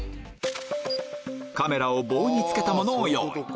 カメラを棒に付けたものを用意